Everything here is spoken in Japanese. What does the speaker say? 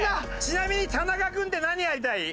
ちなみに田中君って何やりたい？